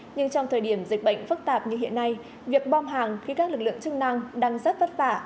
nhưng trong thời điểm dịch bệnh phức tạp như hiện nay việc bom hàng khi các lực lượng chức năng đang rất vất vả